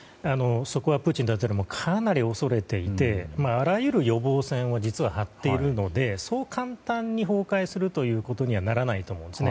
そこはプーチン大統領もかなり恐れていてあらゆる予防線を実は張っているのでそう簡単に崩壊することにはならないと思うんです。